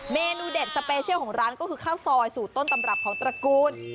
สูตรต้นตำรับของตระกูล